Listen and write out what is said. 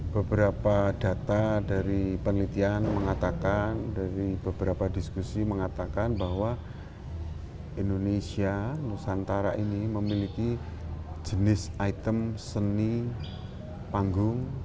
beberapa data dari penelitian mengatakan dari beberapa diskusi mengatakan bahwa indonesia nusantara ini memiliki jenis item seni panggung